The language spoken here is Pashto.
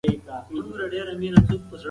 د اګوست کُنت لخوا ټولنپوهنه تعریف شوې ده.